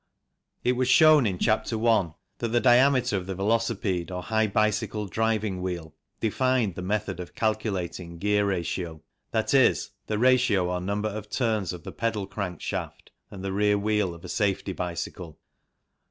It was shown in Chapter I that the diameter of the velocipede or high bicycle driving wheel defined the method of calculating gear ratio, i.e. the ratio or number of turns of the pedal crank shaft and the rear wheel of a safety bicycle.